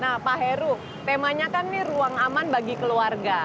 nah pak heru temanya kan ini ruang aman bagi keluarga